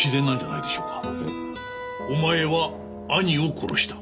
お前は兄を殺した。